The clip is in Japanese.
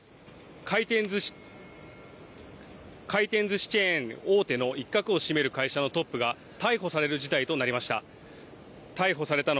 回転ずしチェーン大手の一角を占める会社のトップが逮捕される事態となりました。